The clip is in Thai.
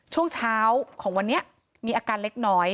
ช่วงเช้าของวันนี้มีอาการเล็กน้อย